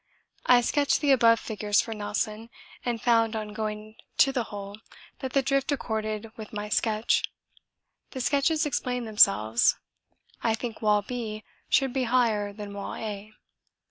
I sketched the above figures for Nelson, and found on going to the hole that the drift accorded with my sketch. The sketches explain themselves. I think wall 'b' should be higher than wall 'a.'